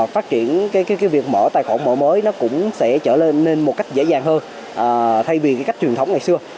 phát triển cái việc mở tài khoản mở mới nó cũng sẽ trở lên nên một cách dễ dàng hơn thay vì cái cách truyền thống ngày xưa